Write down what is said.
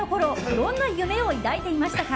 どんな夢を抱いていましたか？